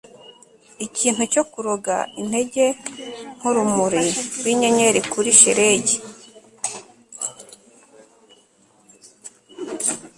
Ikintu cyo kuroga intege nkurumuri rwinyenyeri kuri shelegi